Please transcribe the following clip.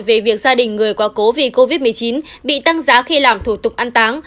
về việc gia đình người có cố vì covid một mươi chín bị tăng giá khi làm thủ tục ăn táng